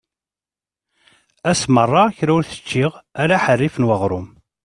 Ass merra kra ur t-ččiɣ ala aḥerrif n uɣrum.